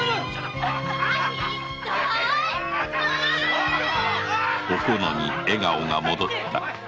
おこのに笑顔が戻った。